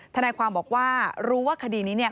ทนายความบอกว่ารู้ว่าคดีนี้เนี่ย